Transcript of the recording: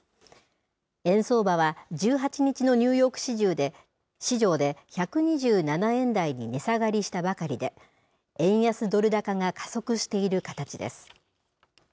円相場は１８日のニューヨーク市場で、１２７円台に値下がりしたばかりで、円安ドル高が加速している形です。